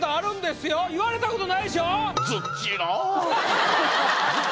言われたことないでしょ？